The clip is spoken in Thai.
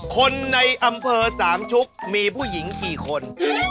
คนในอำเภอสามชุกมีผู้หญิงกี่คน